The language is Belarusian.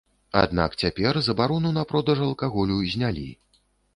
Аднак цяпер забарону на продаж алкаголю знялі.